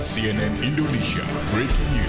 cnn indonesia breaking news